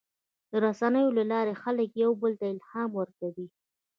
د رسنیو له لارې خلک یو بل ته الهام ورکوي.